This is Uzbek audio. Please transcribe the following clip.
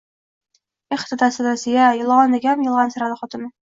-Eh, dadasi-dadasi-ya — Yolg’ondakam yig’lamsiradi xotin.